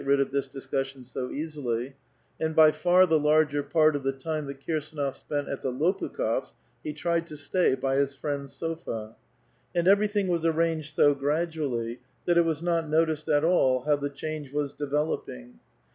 j.j^ q£ ^^|g (Jiscussion so easily "; and by far the J*^S^r part of the time that Kirsdnof spent at the Lopukh6fs' ^^ "tried to stay by his friend's sofa. And everything was ^JT'^nged so gradually that it was not noticed at all how the ®^^^ge was developing.